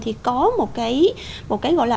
thì có một cái gọi là